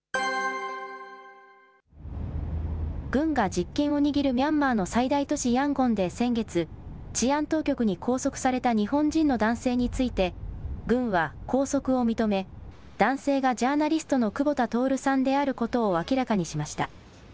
軍が実権を握るミャンマーの最大都市ヤンゴンで先月、治安当局に拘束された日本人の男性について、軍は拘束を認め、男性がジャーナリストの久保田徹さんであることを明らかにしました。